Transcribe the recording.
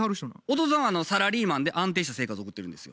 弟さんはサラリーマンで安定した生活を送ってるんですよ。